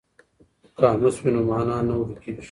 که قاموس وي نو مانا نه ورکیږي.